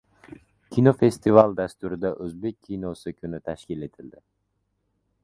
Kinofestival dasturida “O‘zbek kinosi kuni” tashkil etildi